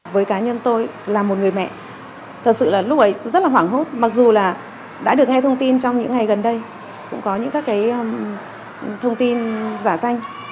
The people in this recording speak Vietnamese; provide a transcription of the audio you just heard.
với cá nhân tôi là một người mẹ thật sự là lúc ấy rất là hoảng hốt mặc dù là đã được nghe thông tin trong những ngày gần đây cũng có những các cái thông tin giả danh